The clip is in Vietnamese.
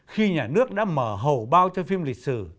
khi nhà nước đã mở hầu bao cho phim lịch sử